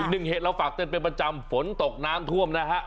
หนึ่งเหตุเราฝากเตือนเป็นประจำฝนตกน้ำท่วมนะฮะ